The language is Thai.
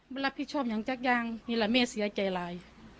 บรรลับผิดชอบอย่างจักยางนี่แหละแม่เสียใจร้าย